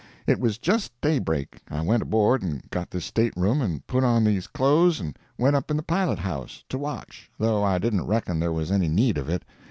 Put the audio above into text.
It was just daybreak. I went aboard and got this stateroom and put on these clothes and went up in the pilot house—to watch, though I didn't reckon there was any need of it.